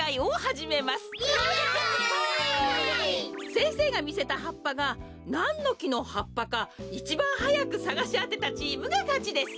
せんせいがみせたはっぱがなんのきのはっぱかいちばんはやくさがしあてたチームがかちです。